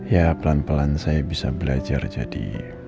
ya pelan pelan saya bisa belajar jadi